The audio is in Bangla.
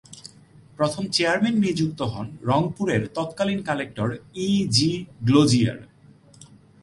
প্রথম চেয়ারম্যান নিযুক্ত হন রংপুরের তৎকালীন কালেক্টর ই জি গ্লোজিয়ার।